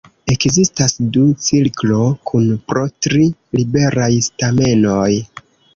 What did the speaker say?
Ekzistas du cirklo kun po tri liberaj stamenoj.